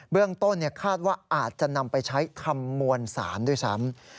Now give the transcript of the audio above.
เรื่องต้นคาดว่าอาจจะนำไปใช้ทำมวลสารด้วยซ้ำ